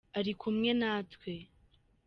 Ari kumwe natwe